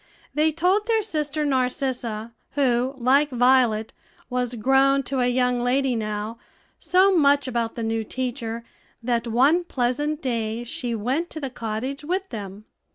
They told their sister Narcissa, who, like Violet, was grown to a young lady now, so much about the new teacher, that one pleasant day she went to the cottage with them.